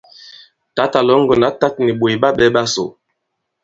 Tǎtà Lɔ̌ŋgòn ǎ tāt nì ɓòt ɓa ɓɛ̄ ɓasò.